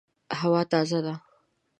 هوا تازه ده